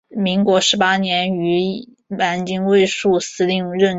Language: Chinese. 民国十八年于南京卫戍司令任职。